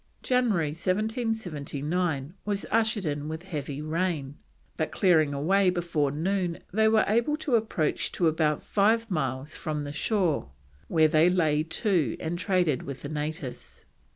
January 1779 was ushered in with heavy rain, but clearing away before noon they were able to approach to about five miles from the shore, where they lay to and traded with the natives.